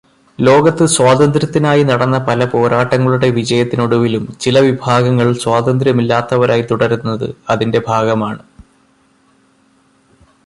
ലോകത്ത് സ്വാതന്ത്ര്യത്തിനായി നടന്ന പല പോരാട്ടങ്ങളുടെ വിജയത്തിനൊടുവിലും ചില വിഭാഗങ്ങൾ സ്വാതന്ത്ര്യമില്ലാത്തവരായി തുടരുന്നത് അതിന്റെ ഭാഗമാണ്.